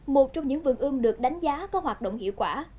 một trong những vườn ươm được đánh giá có hoạt động hiệu quả